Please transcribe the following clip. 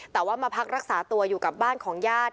แต่ว่ามาพักรักษาตัวอยู่กับบ้านของญาติ